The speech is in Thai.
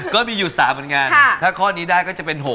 ก็มีอยู่๓เหมือนกันถ้าข้อนี้ได้ก็จะเป็น๖